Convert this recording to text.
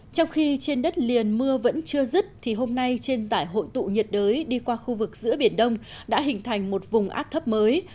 trong khi trên đất liền mưa vẫn chưa dứt thì hôm nay trên giải hội tụ nhiệt đới đi qua khu vực giữa biển đông đã hình thành một vùng áp thấp mới